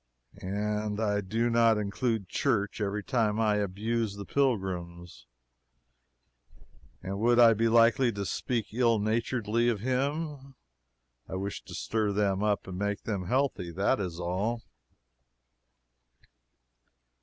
And do I not include Church every time I abuse the pilgrims and would I be likely to speak ill naturedly of him? I wish to stir them up and make them healthy; that is all.